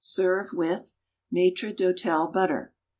Serve with =Maître d'Hôtel Butter.